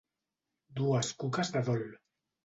Dues cuques de dol.